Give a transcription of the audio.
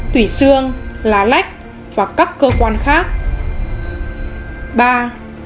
tủy xương lá lách và các cơ quan khác